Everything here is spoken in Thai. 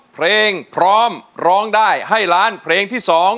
เพลงพร้อมร้องได้ให้ล้านเพลงที่๒